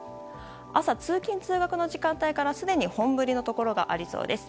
朝、通勤・通学の時間帯からすでに本降りのところもありそうです。